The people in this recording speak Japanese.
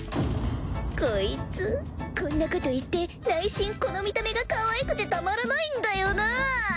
コイツこんなこと言って内心この見た目がかわいくてたまらないんだよなぁ？